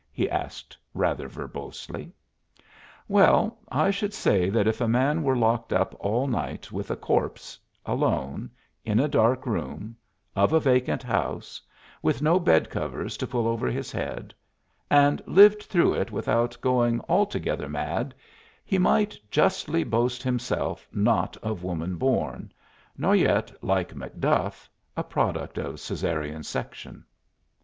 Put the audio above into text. he asked, rather verbosely. "Well, I should say that if a man were locked up all night with a corpse alone in a dark room of a vacant house with no bed covers to pull over his head and lived through it without going altogether mad, he might justly boast himself not of woman born, nor yet, like Macduff, a product of Cæsarean section."